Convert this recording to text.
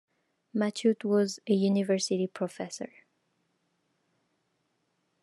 Matute was a university professor.